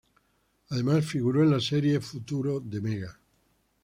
Además figuró en la serie "Futuro", de Mega.